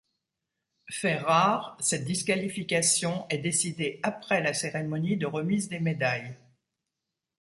Fait rare, cette disqualification est décidée après la cérémonie de remise des médailles.